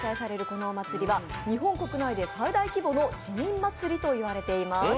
このお祭りは日本国内で最大規模の市民祭りと言われています。